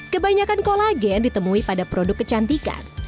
kebanyakan kolagen ditemui pada produk kecantikan